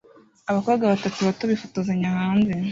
Abakobwa batatu bato bifotozanya hanze